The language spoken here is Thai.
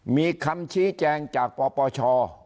มีคำชี้แจงจากปปช